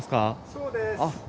そうです。